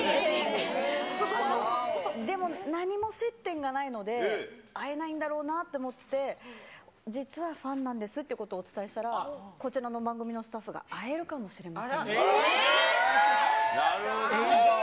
でも、何も接点がないので、会えないんだろうなって思って、実はファンなんですってことをお伝えしたら、こちらの番組のスタッフが、会えるかもしれませんよなるほど。